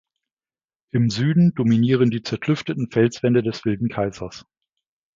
Im Süden dominieren die zerklüfteten Felswände des Wilden Kaisers.